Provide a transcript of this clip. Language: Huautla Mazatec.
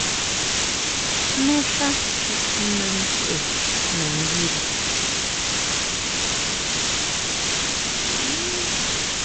¿Jmé xá xi kjima ntʼe nanguiri?